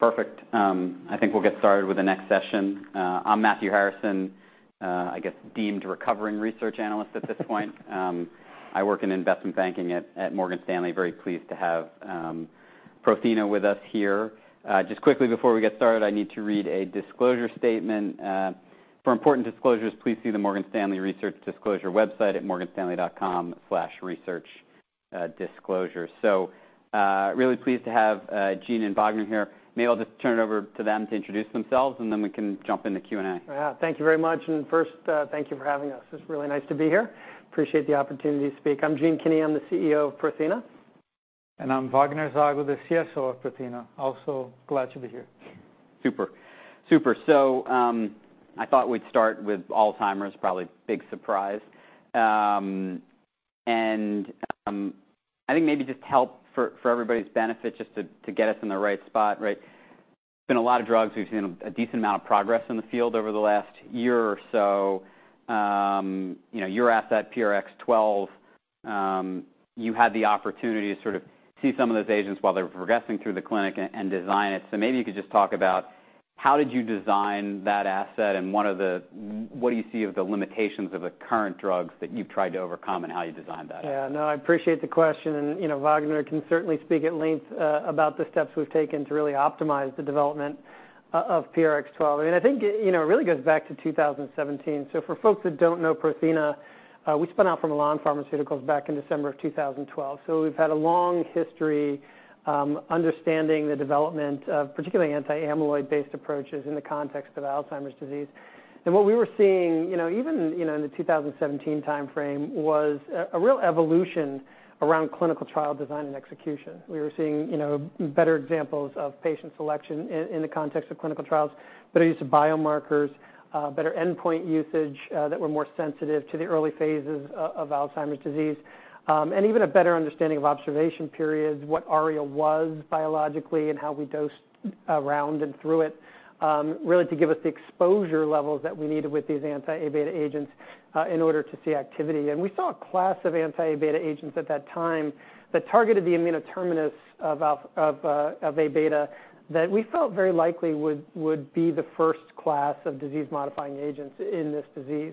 Perfect. I think we'll get started with the next session. I'm Matthew Harrison, I guess, deemed recovering research analyst at this point. I work in investment banking at, at Morgan Stanley. Very pleased to have, Prothena with us here. Just quickly before we get started, I need to read a disclosure statement. For important disclosures, please see the Morgan Stanley Research Disclosure website at morganstanley.com/research, disclosure. So, really pleased to have, Gene and Wagner here. Maybe I'll just turn it over to them to introduce themselves, and then we can jump in the Q&A. Yeah, thank you very much. First, thank you for having us. It's really nice to be here. Appreciate the opportunity to speak. I'm Gene Kinney, I'm the CEO of Prothena. I'm Wagner Zago, the CSO of Prothena, also glad to be here. Super, super. So, I thought we'd start with Alzheimer's, probably big surprise. I think maybe just help for everybody's benefit, just to get us in the right spot, right? There's been a lot of drugs, we've seen a decent amount of progress in the field over the last year or so. You know, your asset, PRX012, you had the opportunity to sort of see some of those agents while they were progressing through the clinic and design it. So maybe you could just talk about how did you design that asset, and what do you see are the limitations of the current drugs that you've tried to overcome, and how you designed that? Yeah, no, I appreciate the question, and, you know, Wagner can certainly speak at length about the steps we've taken to really optimize the development of PRX012. And I think, you know, it really goes back to 2017. So for folks that don't know Prothena, we spun out from Eli Lilly Pharmaceuticals back in December of 2012. So we've had a long history, understanding the development of particularly anti-amyloid-based approaches in the context of Alzheimer's disease. And what we were seeing, you know, even, you know, in the 2017 timeframe, was a real evolution around clinical trial design and execution. We were seeing, you know, better examples of patient selection in the context of clinical trials, better use of biomarkers, better endpoint usage, that were more sensitive to the early phases of Alzheimer's disease. and even a better understanding of observation periods, what ARIA was biologically, and how we dosed around and through it, really to give us the exposure levels that we needed with these anti-Abeta agents, in order to see activity. And we saw a class of anti-Abeta agents at that time that targeted the N-terminus of Abeta, that we felt very likely would be the first class of disease-modifying agents in this disease.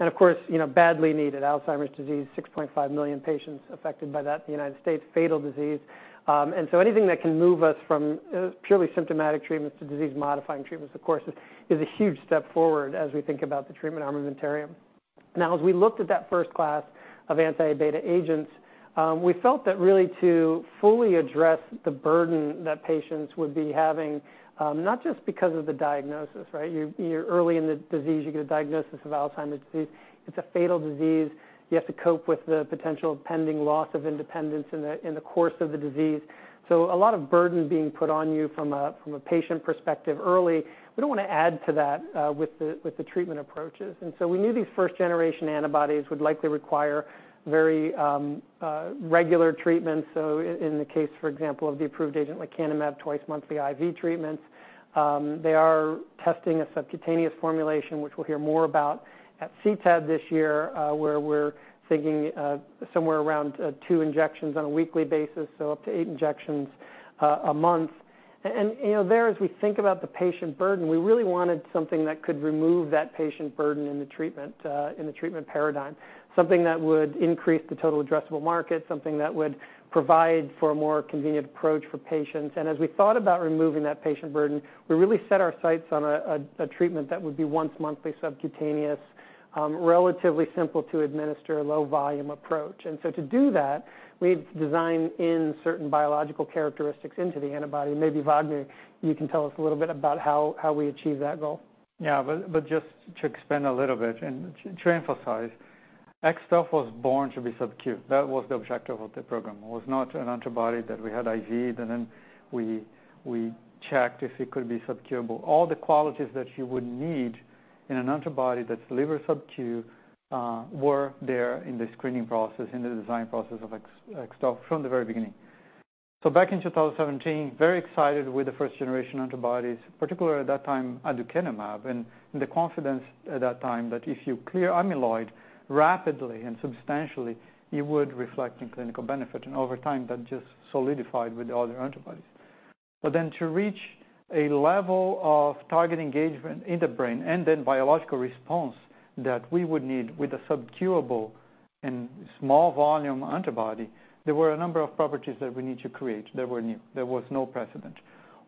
And of course, you know, badly needed. Alzheimer's disease, 6.5 million patients affected by that in the United States, fatal disease. And so anything that can move us from purely symptomatic treatments to disease-modifying treatments, of course, is a huge step forward as we think about the treatment armamentarium. Now, as we looked at that first class of anti-Abeta agents, we felt that really to fully address the burden that patients would be having, not just because of the diagnosis, right? You're early in the disease, you get a diagnosis of Alzheimer's disease, it's a fatal disease, you have to cope with the potential pending loss of independence in the course of the disease. So a lot of burden being put on you from a patient perspective early. We don't want to add to that, with the treatment approaches. And so we knew these first generation antibodies would likely require very regular treatment. So in the case, for example, of the approved agent like aducanumab, twice-monthly IV treatments. They are testing a subcutaneous formulation, which we'll hear more about at CTAD this year, where we're thinking somewhere around two injections on a weekly basis, so up to eight injections a month. And, you know, as we think about the patient burden, we really wanted something that could remove that patient burden in the treatment paradigm. Something that would increase the total addressable market, something that would provide for a more convenient approach for patients. And as we thought about removing that patient burden, we really set our sights on a treatment that would be once-monthly subcutaneous, relatively simple to administer, a low volume approach. And so to do that, we had to design in certain biological characteristics into the antibody. Maybe Wagner, you can tell us a little bit about how, how we achieved that goal. Yeah, but just to expand a little bit and to emphasize, PRX012 was born to be subcu, that was the objective of the program. It was not an antibody that we had IV, and then we checked if it could be subcuable. All the qualities that you would need in an antibody that deliver subcu were there in the screening process, in the design process of PRX012 from the very beginning. So back in 2017, very excited with the first generation antibodies, particularly at that time, aducanumab. And the confidence at that time that if you clear amyloid rapidly and substantially, it would reflect in clinical benefit. And over time, that just solidified with the other antibodies. But then to reach a level of target engagement in the brain, and then biological response that we would need with a sub-Q-able and small volume antibody, there were a number of properties that we need to create that were new. There was no precedent.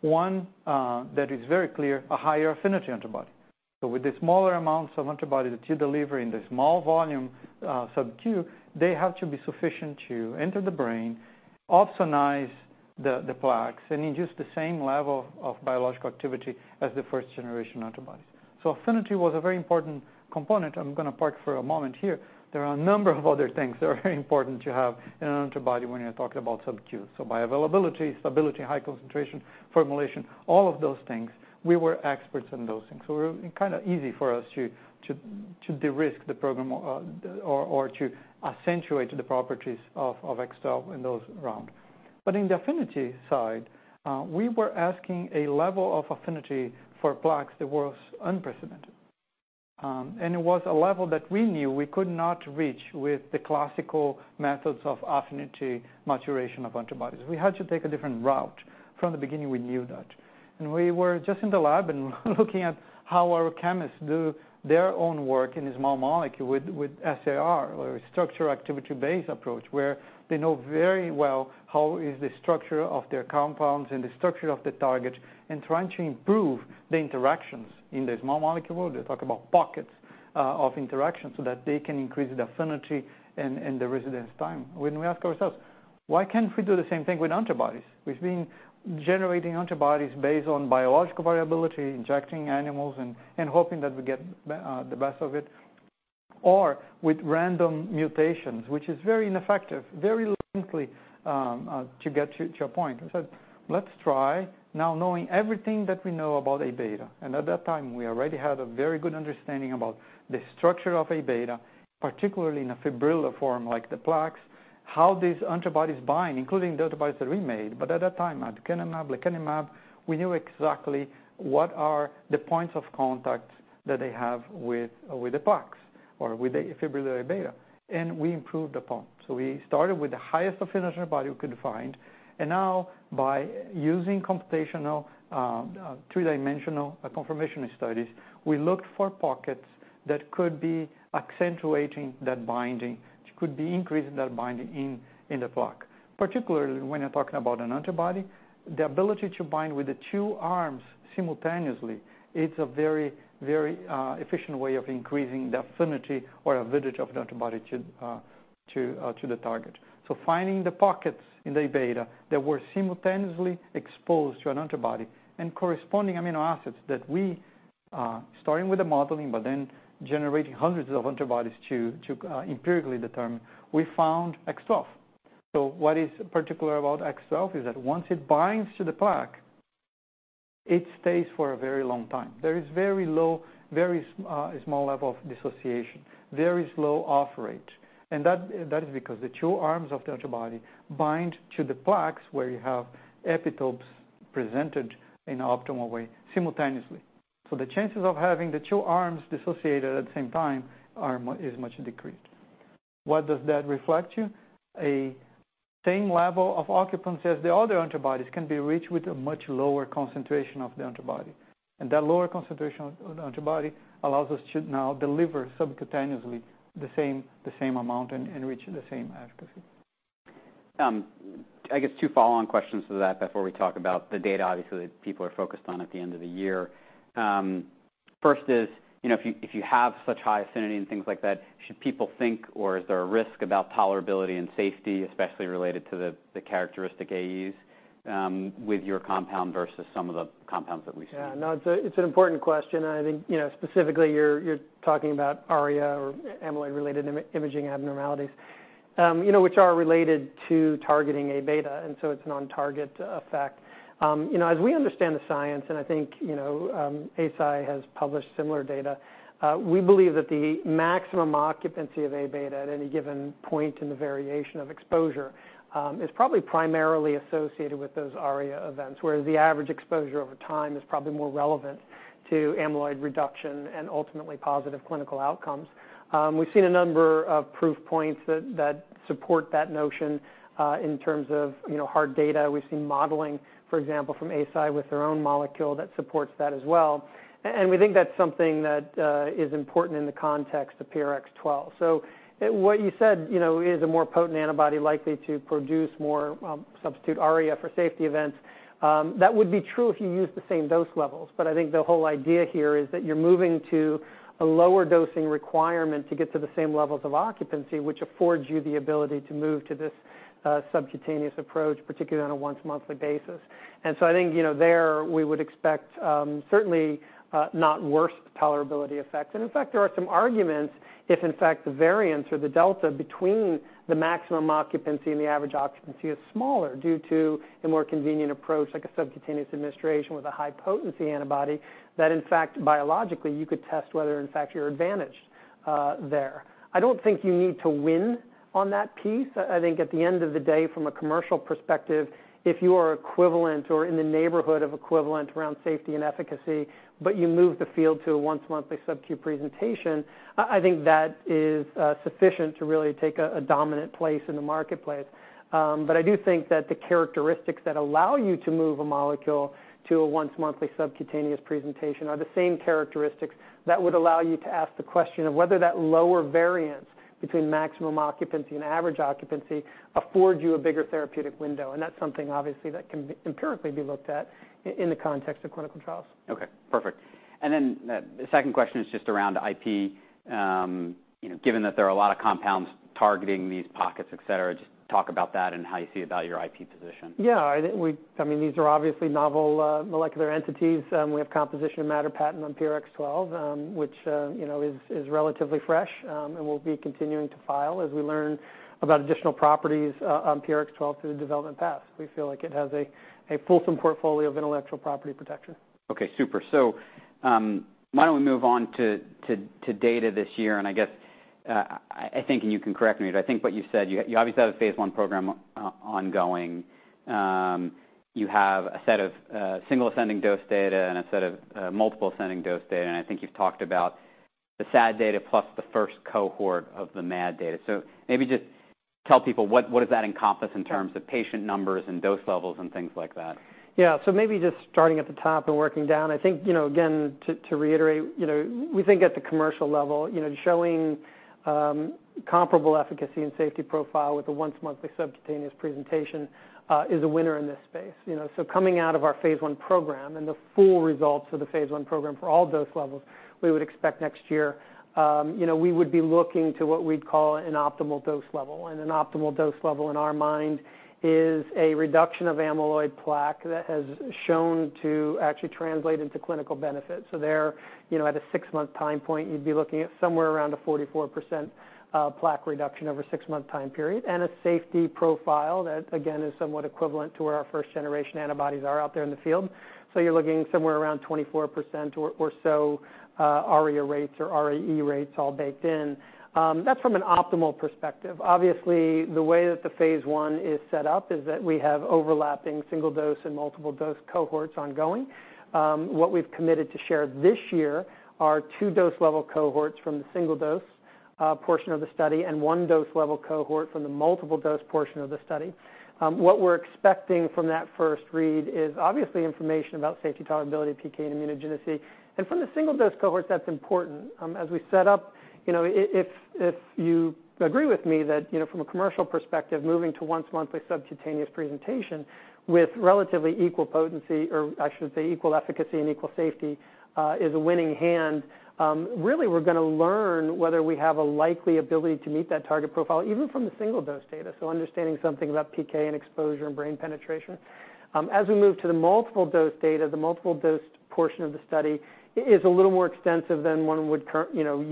One, that is very clear, a higher affinity antibody. So with the smaller amounts of antibody that you deliver in the small volume sub-Q, they have to be sufficient to enter the brain, opsonize the plaques, and induce the same level of biological activity as the first generation antibodies. So affinity was a very important component. I'm gonna park for a moment here. There are a number of other things that are very important to have in an antibody when you're talking about sub-Q. So bioavailability, stability, high concentration, formulation, all of those things, we were experts in those things. So it were kind of easy for us to de-risk the program, or to accentuate the properties of X12 in those round. But in the affinity side, we were asking a level of affinity for plaques that was unprecedented. And it was a level that we knew we could not reach with the classical methods of affinity maturation of antibodies. We had to take a different route. From the beginning, we knew that. And we were just in the lab and looking at how our chemists do their own work in a small molecule with SAR, or Structure-Activity Relationship, where they know very well how is the structure of their compounds and the structure of the target, and trying to improve the interactions. In the small molecule world, they talk about pockets of interaction so that they can increase the affinity and the residence time. When we ask ourselves: Why can't we do the same thing with antibodies? We've been generating antibodies based on biological variability, injecting animals, and hoping that we get the best of it, or with random mutations, which is very ineffective, very lengthy to get to a point. We said, "Let's try, now knowing everything that we know about A-beta," and at that time, we already had a very good understanding about the structure of A-beta, particularly in a fibrillar form, like the plaques, how these antibodies bind, including the antibodies that we made. But at that time, aducanumab, lecanemab, we knew exactly what are the points of contact that they have with, with the plaques or with the fibrillar beta, and we improved upon. So we started with the highest affinity antibody we could find, and now by using computational, three-dimensional conformation studies, we looked for pockets that could be accentuating that binding, could be increasing that binding in, in the plaque. Particularly when you're talking about an antibody, the ability to bind with the two arms simultaneously, it's a very, very, efficient way of increasing the affinity or avidity of the antibody to, to the target. So finding the pockets in the Aβ that were simultaneously exposed to an antibody and corresponding amino acids that we, starting with the modeling, but then generating hundreds of antibodies to, empirically determine, we found PRX012. So what is particular about PRX012 is that once it binds to the plaque, it stays for a very long time. There is very low, very small level of dissociation, very slow off rate, and that is because the two arms of the antibody bind to the plaques where you have epitopes presented in an optimal way simultaneously. So the chances of having the two arms dissociated at the same time is much decreased. What does that reflect to you? A same level of occupancy as the other antibodies can be reached with a much lower concentration of the antibody, and that lower concentration of the antibody allows us to now deliver subcutaneously the same amount and reach the same efficacy. I guess two follow-on questions to that before we talk about the data obviously that people are focused on at the end of the year. First is, you know, if you have such high affinity and things like that, should people think, or is there a risk about tolerability and safety, especially related to the characteristic AEs with your compound versus some of the compounds that we've seen? Yeah, no, it's an important question, and I think, you know, specifically you're talking about ARIA or amyloid-related imaging abnormalities. You know, which are related to targeting A-beta, and so it's an on-target effect. You know, as we understand the science, and I think, you know, Eisai has published similar data, we believe that the maximum occupancy of A-beta at any given point in the variation of exposure is probably primarily associated with those ARIA events, whereas the average exposure over time is probably more relevant to amyloid reduction and ultimately positive clinical outcomes. We've seen a number of proof points that support that notion. In terms of, you know, hard data, we've seen modeling, for example, from Eisai with their own molecule that supports that as well. We think that's something that is important in the context of PRX012. So what you said, you know, is a more potent antibody likely to produce more substitute ARIA for safety events. That would be true if you used the same dose levels, but I think the whole idea here is that you're moving to a lower dosing requirement to get to the same levels of occupancy, which affords you the ability to move to this subcutaneous approach, particularly on a once-monthly basis. So I think, you know, there we would expect certainly not worse tolerability effects. And in fact, there are some arguments if, in fact, the variance or the delta between the maximum occupancy and the average occupancy is smaller due to a more convenient approach, like a subcutaneous administration with a high-potency antibody, that in fact, biologically, you could test whether in fact you're advantaged there. I don't think you need to win on that piece. I, I think at the end of the day, from a commercial perspective, if you are equivalent or in the neighborhood of equivalent around safety and efficacy, but you move the field to a once-monthly subq presentation, I, I think that is sufficient to really take a, a dominant place in the marketplace. But, I do think that the characteristics that allow you to move a molecule to a once-monthly subcutaneous presentation are the same characteristics that would allow you to ask the question of whether that lower variance between maximum occupancy and average occupancy affords you a bigger therapeutic window. And that's something obviously that can be empirically be looked at in the context of clinical trials. Okay, perfect. And then, the second question is just around IP. You know, given that there are a lot of compounds targeting these pockets, et cetera, just talk about that and how you see about your IP position. Yeah, I think we—I mean, these are obviously novel molecular entities. We have composition of matter patent on PRX012, which, you know, is relatively fresh. And we'll be continuing to file as we learn about additional properties on PRX012 through the development path. We feel like it has a fulsome portfolio of intellectual property protection. Okay, super. So, why don't we move on to data this year? And I guess I think, and you can correct me, but I think what you said, you obviously have a phase I program ongoing. You have a set of single ascending dose data and a set of multiple ascending dose data, and I think you've talked about the SAD data, plus the first cohort of the MAD data. So maybe just tell people what that encompasses in terms of patient numbers and dose levels and things like that? Yeah. So maybe just starting at the top and working down, I think, you know, again, to, to reiterate, you know, we think at the commercial level, you know, showing comparable efficacy and safety profile with a once monthly subcutaneous presentation is a winner in this space. You know, so coming out of our phase I program and the full results of the phase I program for all dose levels, we would expect next year. You know, we would be looking to what we'd call an optimal dose level, and an optimal dose level in our mind is a reduction of amyloid plaque that has shown to actually translate into clinical benefit. So there, you know, at a six-month time point, you'd be looking at somewhere around a 44% plaque reduction over a six-month time period, and a safety profile that again, is somewhat equivalent to where our first-generation antibodies are out there in the field. So you're looking somewhere around 24% or so ARIA rates or ARIA-E rates all baked in. That's from an optimal perspective. Obviously, the way that the phase I is set up is that we have overlapping single dose and multiple dose cohorts ongoing. What we've committed to share this year are two dose level cohorts from the single dose portion of the study, and one dose level cohort from the multiple dose portion of the study. What we're expecting from that first read is obviously information about safety, tolerability, PK, and immunogenicity. From the single dose cohort, that's important, as we set up. You know, if you agree with me that, you know, from a commercial perspective, moving to once monthly subcutaneous presentation with relatively equal potency, or I should say equal efficacy and equal safety, is a winning hand. Really, we're gonna learn whether we have a likely ability to meet that target profile, even from the single dose data, so understanding something about PK and exposure and brain penetration. As we move to the multiple dose data, the multiple dose portion of the study is a little more extensive than one would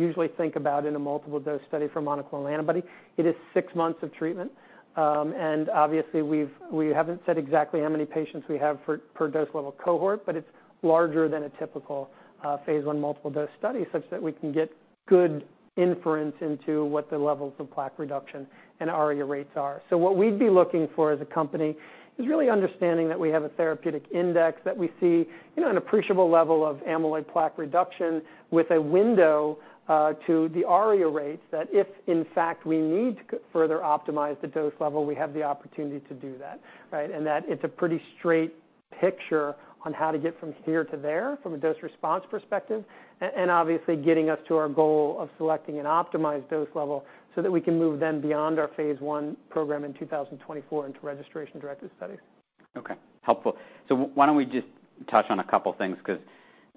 usually think about in a multiple dose study for monoclonal antibody. It is six months of treatment. And obviously, we haven't said exactly how many patients we have per dose level cohort, but it's larger than a typical phase I multiple dose study, such that we can get good inference into what the levels of plaque reduction and ARIA rates are. So what we'd be looking for as a company is really understanding that we have a therapeutic index, that we see, you know, an appreciable level of amyloid plaque reduction with a window to the ARIA rates, that if, in fact, we need to further optimize the dose level, we have the opportunity to do that, right? that it's a pretty straight picture on how to get from here to there, from a dose response perspective, and obviously, getting us to our goal of selecting an optimized dose level so that we can move then beyond our phase I program in 2024 into registration-directed studies. Okay, helpful. So why don't we just touch on a couple of things? Because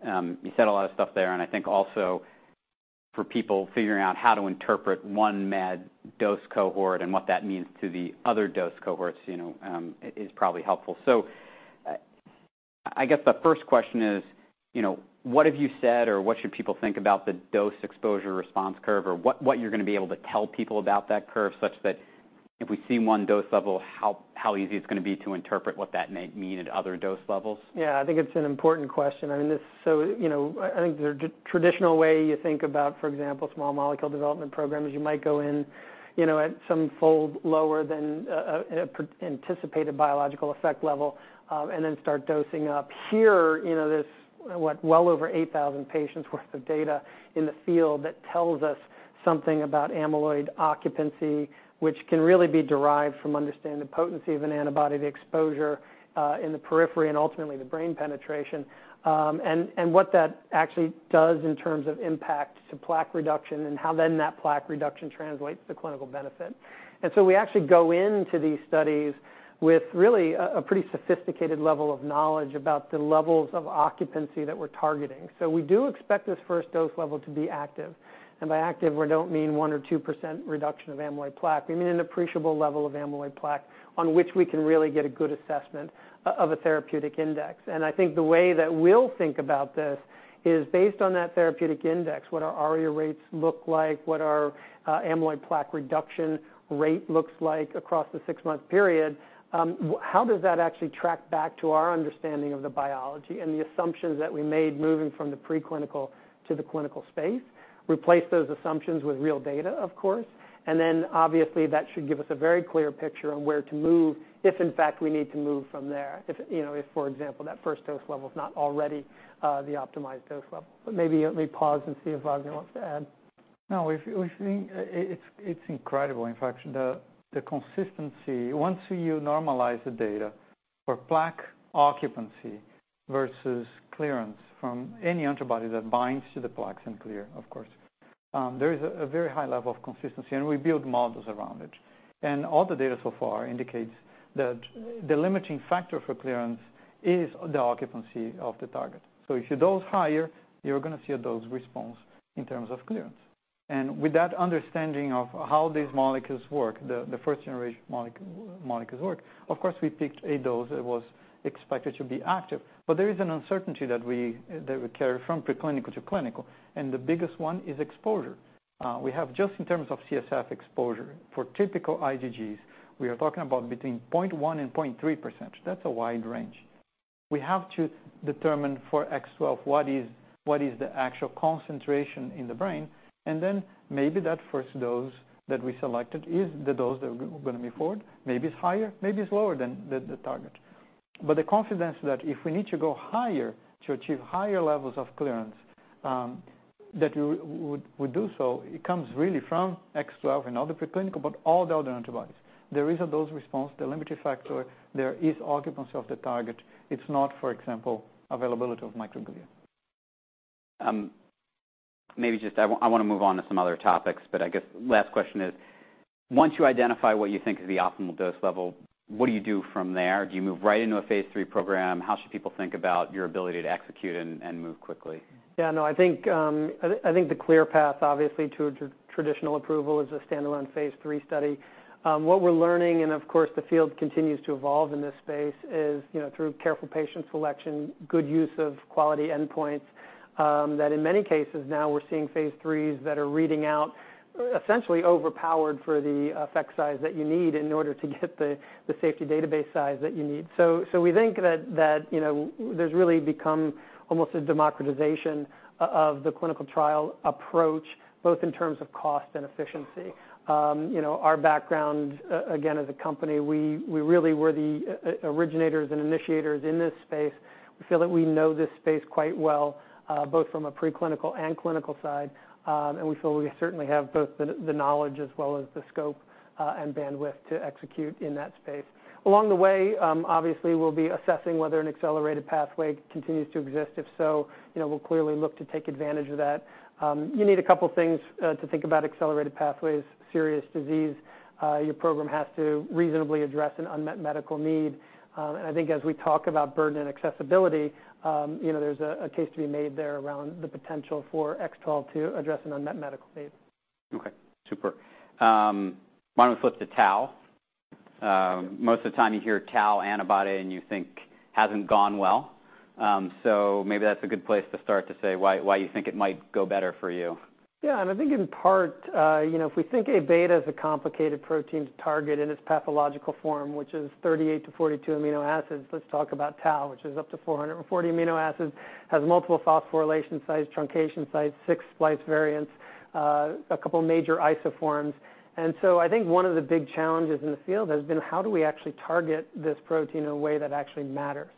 you said a lot of stuff there, and I think also for people figuring out how to interpret one MAD dose cohort and what that means to the other dose cohorts, you know, is probably helpful. So I guess the first question is, you know, what have you said, or what should people think about the dose exposure response curve, or what you're gonna be able to tell people about that curve, such that if we see one dose level, how easy it's gonna be to interpret what that may mean at other dose levels? Yeah, I think it's an important question. I mean, you know, I think the traditional way you think about, for example, small molecule development programs, you might go in, you know, at some fold lower than an anticipated biological effect level, and then start dosing up. Here, you know, there's well over 8,000 patients' worth of data in the field that tells us something about amyloid occupancy, which can really be derived from understanding the potency of an antibody, the exposure in the periphery, and ultimately the brain penetration. And what that actually does in terms of impact to plaque reduction and how then that plaque reduction translates to clinical benefit. And so we actually go into these studies with really a pretty sophisticated level of knowledge about the levels of occupancy that we're targeting. So we do expect this first dose level to be active, and by active, we don't mean 1 or 2% reduction of amyloid plaque. We mean an appreciable level of amyloid plaque on which we can really get a good assessment of a therapeutic index. And I think the way that we'll think about this is based on that therapeutic index, what our ARIA rates look like, what our amyloid plaque reduction rate looks like across the six-month period. How does that actually track back to our understanding of the biology and the assumptions that we made moving from the preclinical to the clinical space? Replace those assumptions with real data, of course. And then obviously, that should give us a very clear picture on where to move, if in fact, we need to move from there. If, you know, if, for example, that first dose level is not already the optimized dose level. But maybe let me pause and see if Wladimir wants to add. No, we've seen... It’s incredible. In fact, the consistency, once you normalize the data for plaque occupancy versus clearance from any antibody that binds to the plaques and clear, of course, there is a very high level of consistency, and we build models around it. And all the data so far indicates that the limiting factor for clearance is the occupancy of the target. So if you dose higher, you're gonna see a dose response in terms of clearance. And with that understanding of how these molecules work, the first-generation molecules work, of course, we picked a dose that was expected to be active. But there is an uncertainty that we carry from preclinical to clinical, and the biggest one is exposure. We have, just in terms of CSF exposure, for typical IgGs, we are talking about between 0.1% and 0.3%. That's a wide range... We have to determine for PRX-012 what is, what is the actual concentration in the brain, and then maybe that first dose that we selected is the dose that we're gonna move forward. Maybe it's higher, maybe it's lower than the, the target. But the confidence that if we need to go higher to achieve higher levels of clearance, that we would do so, it comes really from PRX-012 and other preclinical, but all the other antibodies. There is a dose response, the limiting factor, there is occupancy of the target. It's not, for example, availability of microglia. Maybe just I wanna move on to some other topics, but I guess last question is: once you identify what you think is the optimal dose level, what do you do from there? Do you move right into a phase III program? How should people think about your ability to execute and move quickly? Yeah, no, I think I think the clear path, obviously, to a traditional approval is a standalone phase III study. What we're learning, and of course, the field continues to evolve in this space, is, you know, through careful patient selection, good use of quality endpoints, that in many cases now we're seeing phase III's that are reading out essentially overpowered for the effect size that you need in order to get the safety database size that you need. So we think that, you know, there's really become almost a democratization of the clinical trial approach, both in terms of cost and efficiency. You know, our background, again, as a company, we really were the originators and initiators in this space. We feel that we know this space quite well, both from a preclinical and clinical side, and we feel we certainly have both the knowledge as well as the scope and bandwidth to execute in that space. Along the way, obviously, we'll be assessing whether an accelerated pathway continues to exist. If so, you know, we'll clearly look to take advantage of that. You need a couple things to think about accelerated pathways, serious disease. Your program has to reasonably address an unmet medical need. And I think as we talk about burden and accessibility, you know, there's a case to be made there around the potential for X-twelve to address an unmet medical need. Okay, super. Why don't we flip to tau? Most of the time you hear tau antibody, and you think hasn't gone well. So maybe that's a good place to start to say why, why you think it might go better for you. Yeah, and I think in part, you know, if we think Abeta is a complicated protein to target in its pathological form, which is 38-42 amino acids, let's talk about tau, which is up to 440 amino acids, has multiple phosphorylation sites, truncation sites, 6 splice variants, a couple major isoforms. And so I think one of the big challenges in the field has been how do we actually target this protein in a way that actually matters?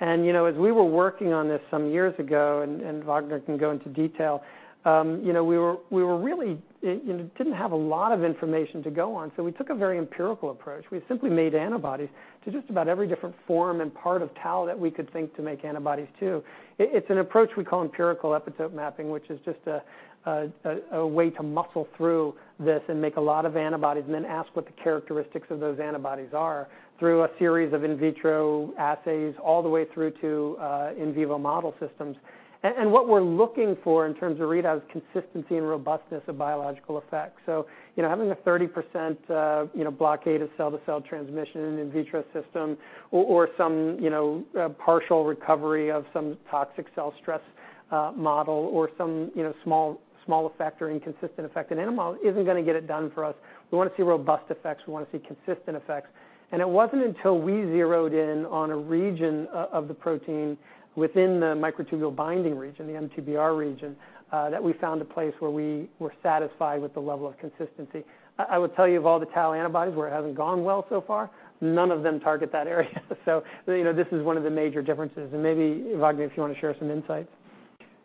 And, you know, as we were working on this some years ago, and Wagner can go into detail, you know, we really didn't have a lot of information to go on, so we took a very empirical approach. We simply made antibodies to just about every different form and part of tau that we could think to make antibodies to. It's an approach we call empirical epitope mapping, which is just a way to muscle through this and make a lot of antibodies and then ask what the characteristics of those antibodies are through a series of in vitro assays, all the way through to in vivo model systems. And what we're looking for in terms of readout is consistency and robustness of biological effects. So, you know, having a 30% blockade of cell-to-cell transmission in an in vitro system or some you know partial recovery of some toxic cell stress model, or some small effect or inconsistent effect in animal isn't gonna get it done for us. We wanna see robust effects. We wanna see consistent effects. And it wasn't until we zeroed in on a region of the protein within the microtubule binding region, the mTBR region, that we found a place where we were satisfied with the level of consistency. I would tell you of all the tau antibodies where it hasn't gone well so far, none of them target that area. So, you know, this is one of the major differences, and maybe Wagner, if you wanna share some insights.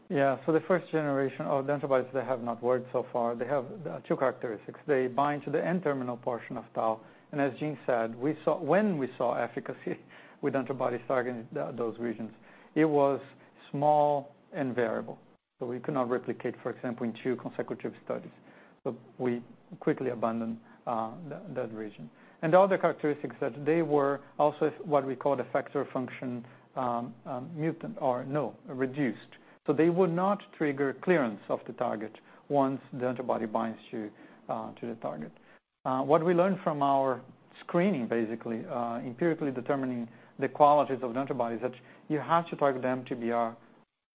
Yeah. So the first generation of the antibodies that have not worked so far, they have two characteristics. They bind to the N-terminal portion of tau, and as Gene said, when we saw efficacy with antibodies targeting those regions, it was small and variable, so we could not replicate, for example, in two consecutive studies. So we quickly abandoned that region. And the other characteristics that they were also what we call the effector function, reduced. So they would not trigger clearance of the target once the antibody binds to the target. What we learned from our screening, basically, empirically determining the qualities of the antibodies, that you have to target the mTBR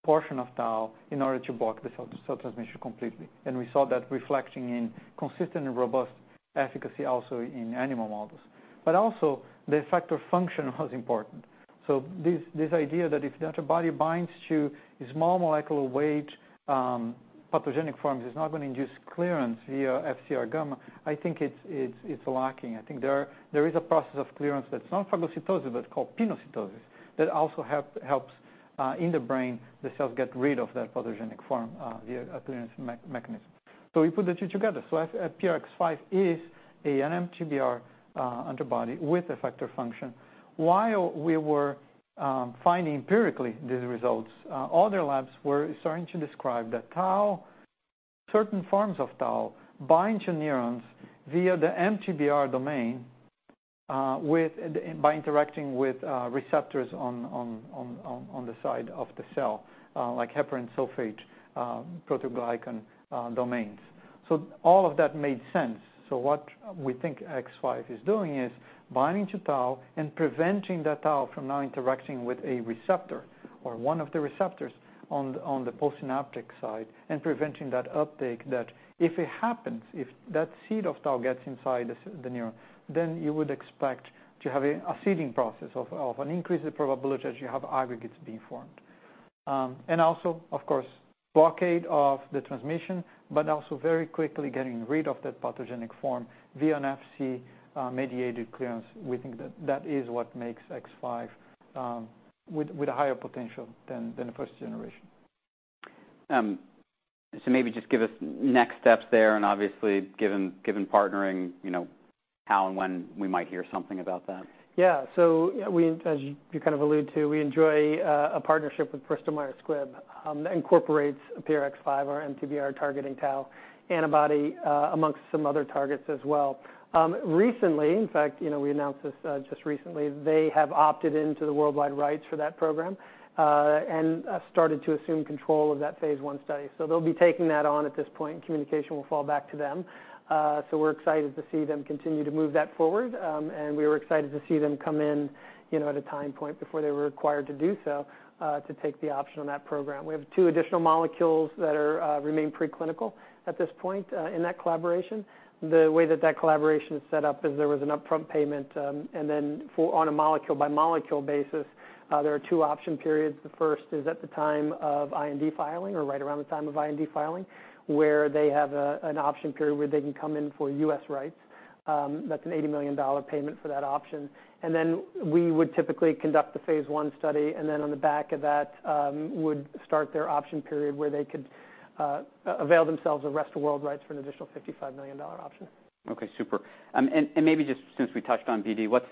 portion of tau in order to block the cell-to-cell transmission completely. We saw that reflecting in consistent and robust efficacy also in animal models. But also, the effector function was important. So this idea that if the antibody binds to a small molecular weight pathogenic forms, it's not gonna induce clearance via FcR gamma. I think it's lacking. I think there is a process of clearance that's not phagocytosis, but it's called pinocytosis, that also helps in the brain, the cells get rid of that pathogenic form via a clearance mechanism. So we put the two together. So PRX005 is an mTBR antibody with effector function. While we were finding empirically these results, other labs were starting to describe that tau, certain forms of tau, bind to neurons via the mTBR domain with... By interacting with receptors on the side of the cell, like heparan sulfate proteoglycan domains. So all of that made sense. So what we think X-five is doing is binding to tau and preventing that tau from now interacting with a receptor or one of the receptors on the postsynaptic side and preventing that uptake, that if it happens, if that seed of tau gets inside the neuron, then you would expect to have a seeding process of an increased probability as you have aggregates being formed, and also, of course, blockade of the transmission, but also very quickly getting rid of that pathogenic form via an Fc mediated clearance. We think that that is what makes X five with a higher potential than the first generation. So maybe just give us next steps there, and obviously, given partnering, you know, how and when we might hear something about that. Yeah. So we, as you kind of allude to, we enjoy a partnership with Bristol Myers Squibb, that incorporates PRX005, our mTBR targeting tau antibody, among some other targets as well. Recently, in fact, you know, we announced this, just recently, they have opted into the worldwide rights for that program, and started to assume control of that phase I study. So they'll be taking that on at this point, communication will fall back to them. So we're excited to see them continue to move that forward. And we were excited to see them come in, you know, at a time point before they were required to do so, to take the option on that program. We have two additional molecules that remain preclinical at this point, in that collaboration. The way that that collaboration is set up is there was an upfront payment, and then on a molecule-by-molecule basis, there are two option periods. The first is at the time of IND filing or right around the time of IND filing, where they have a, an option period where they can come in for U.S. rights. That's an $80 million payment for that option. And then we would typically conduct the phase I study, and then on the back of that, would start their option period, where they could avail themselves of rest of world rights for an additional $55 million option. Okay, super. And maybe just since we touched on BD, what's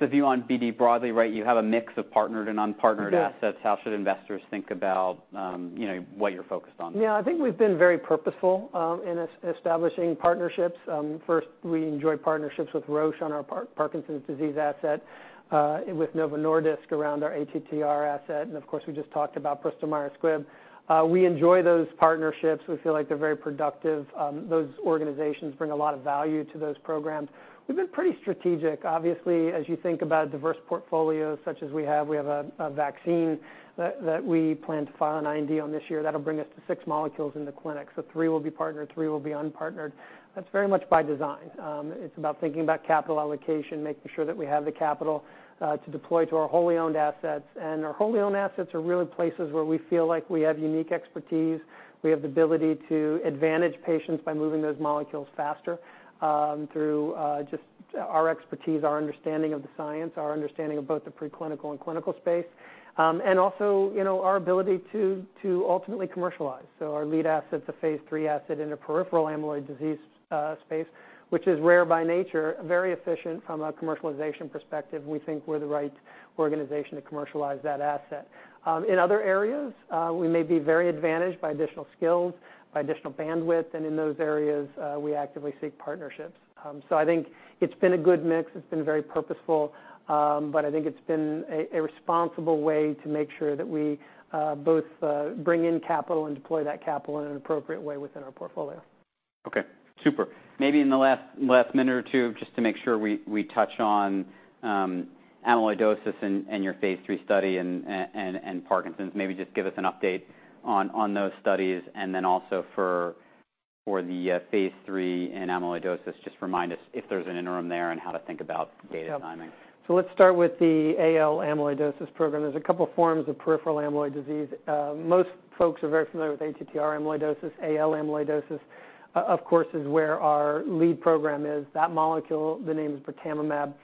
the view on BD broadly, right? You have a mix of partnered and unpartnered- Yes... assets. How should investors think about, you know, what you're focused on? Yeah, I think we've been very purposeful in establishing partnerships. First, we enjoy partnerships with Roche on our Parkinson's disease asset, and with Novo Nordisk around our ATTR asset, and of course, we just talked about Bristol Myers Squibb. We enjoy those partnerships. We feel like they're very productive. Those organizations bring a lot of value to those programs. We've been pretty strategic. Obviously, as you think about diverse portfolios, such as we have, we have a vaccine that we plan to file an IND on this year. That'll bring us to six molecules in the clinic. So three will be partnered, three will be unpartnered. That's very much by design. It's about thinking about capital allocation, making sure that we have the capital to deploy to our wholly owned assets. Our wholly owned assets are really places where we feel like we have unique expertise. We have the ability to advantage patients by moving those molecules faster through just our expertise, our understanding of the science, our understanding of both the preclinical and clinical space and also, you know, our ability to ultimately commercialize. So our lead asset is a phase III asset in a peripheral amyloid disease space, which is rare by nature, very efficient from a commercialization perspective. We think we're the right organization to commercialize that asset. In other areas, we may be very advantaged by additional skills, by additional bandwidth, and in those areas, we actively seek partnerships. So I think it's been a good mix. It's been very purposeful, but I think it's been a responsible way to make sure that we both bring in capital and deploy that capital in an appropriate way within our portfolio. Okay, super. Maybe in the last minute or two, just to make sure we touch on amyloidosis and your phase III study and Parkinson's. Maybe just give us an update on those studies, and then also for the phase III in amyloidosis, just remind us if there's an interim there and how to think about data timing. Yeah. So let's start with the AL amyloidosis program. There's a couple forms of peripheral amyloid disease. Most folks are very familiar with ATTR amyloidosis. AL amyloidosis, of course, is where our lead program is. That molecule, the name is birtamimab.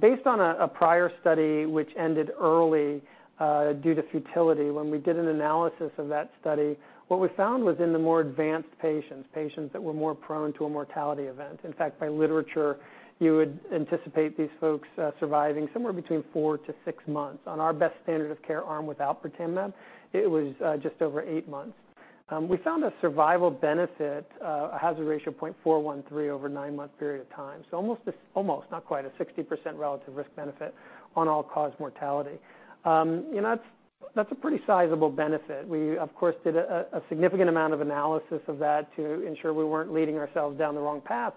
Based on a prior study, which ended early, due to futility, when we did an analysis of that study, what we found was in the more advanced patients, patients that were more prone to a mortality event. In fact, by literature, you would anticipate these folks, surviving somewhere between four-six months. On our best standard of care arm without birtamimab, it was, just over 8 months. We found a survival benefit, a hazard ratio of 0.413 over a nine-month period of time. So almost, not quite a 60% relative risk benefit on all-cause mortality. And that's a pretty sizable benefit. We, of course, did a significant amount of analysis of that to ensure we weren't leading ourselves down the wrong path,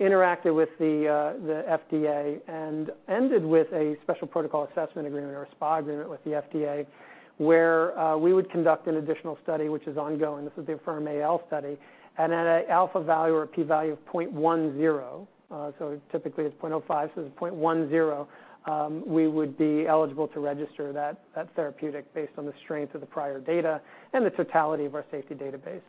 interacted with the FDA, and ended with a special protocol assessment agreement, or a SPA agreement, with the FDA, where we would conduct an additional study, which is ongoing. This is the AFFIRM-AL study, and at an alpha value or a P value of 0.10, so typically it's 0.05. So at 0.10, we would be eligible to register that therapeutic based on the strength of the prior data and the totality of our safety database.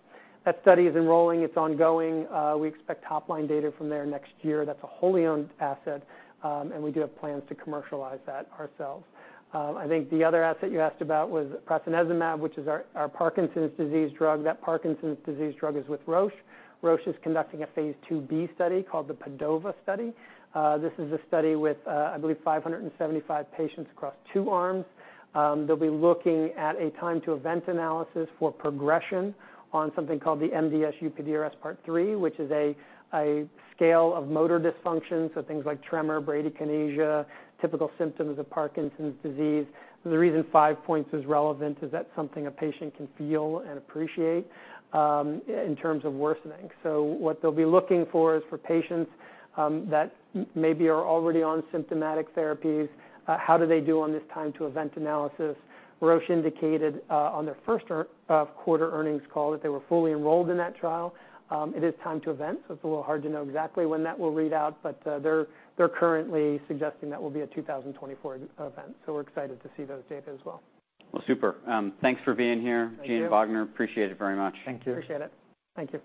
That study is enrolling, it's ongoing. We expect top-line data from there next year. That's a wholly owned asset, and we do have plans to commercialize that ourselves. I think the other asset you asked about was prasinezumab, which is our, our Parkinson's disease drug. That Parkinson's disease drug is with Roche. Roche is conducting a phase IIb study called the PADOVA Study. This is a study with, I believe, 575 patients across two arms. They'll be looking at a time to event analysis for progression on something called the MDS-UPDRS Part III, which is a scale of motor dysfunction, so things like tremor, bradykinesia, typical symptoms of Parkinson's disease. The reason five points is relevant is that's something a patient can feel and appreciate, in terms of worsening. So what they'll be looking for is for patients that maybe are already on symptomatic therapies, how do they do on this time to event analysis? Roche indicated on their first quarter earnings call that they were fully enrolled in that trial. It is time to event, so it's a little hard to know exactly when that will read out, but they're currently suggesting that will be a 2024 event. So we're excited to see those data as well. Well, super. Thanks for being here- Thank you. Gene Kinney, appreciate it very much. Thank you. Appreciate it. Thank you.